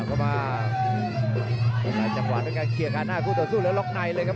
กลายจังหวะด้วยการเขียนกับห้านห้าและล็อกในเลยครับ